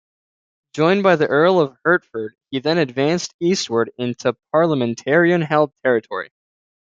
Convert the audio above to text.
Joined by the Earl of Hertford, he then advanced eastward into Parliamentarian-held territory.